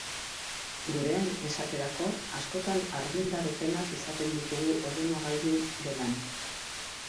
Gurean, esaterako, askotan argindar etenak izaten ditugu ordenagailu gelan.